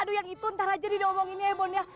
aduh yang itu ntar aja didomongin aja bon ya